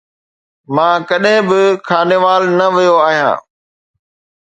مان ڪڏهن به خانيوال نه ويو آهيان